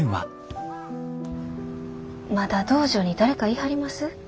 まだ道場に誰かいはります？